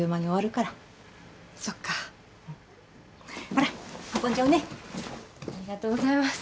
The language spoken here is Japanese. ありがとうございます。